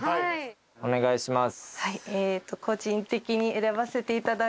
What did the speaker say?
お願いします。